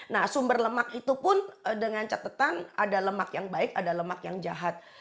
nah sumber lemak itu pun dengan catatan ada lemak yang baik ada lemak yang jahat